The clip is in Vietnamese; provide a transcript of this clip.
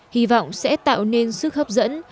hy vọng sẽ tạo nên sức hấp dẫn